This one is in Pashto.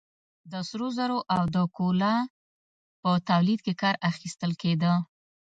د سرو زرو او د کولا په تولید کې کار اخیستل کېده.